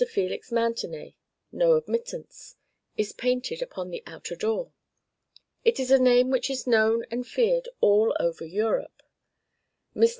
Felix Mountenay No admittance," is painted upon the outer door. It is a name which is known and feared all over Europe. Mr.